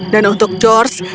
dan untuk george